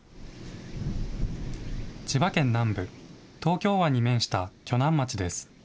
千葉県南部、東京湾に面した鋸南町です。